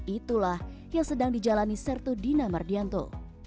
itulah yang sedang dijalani sertu dina mardianto